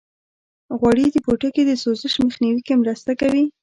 غوړې د پوټکي د سوزش مخنیوي کې مرسته کوي.